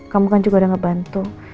kamu kan juga udah ngebantu